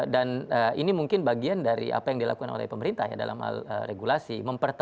dan ini mungkin bagian dari apa yang dilakukan oleh pemerintah dalam hal regulasi